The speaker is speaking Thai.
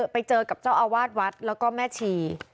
ไปเจอกับเจ้าอาวาสวัดแล้วก็แม่ชี